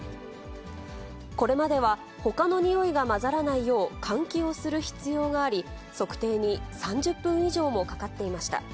これまでは、ほかのにおいが混ざらないよう、換気をする必要があり、測定に３０分以上もかかっていました。